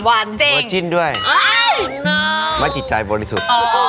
ว่าจิ้นด้วยว่าจิตใจบนที่สุด